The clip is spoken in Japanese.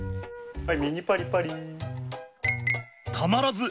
はい。